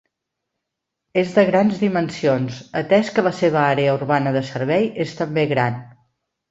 És de grans dimensions, atès que la seva àrea urbana de servei és també gran.